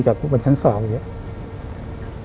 จากบนชั้นสองอย่างนี้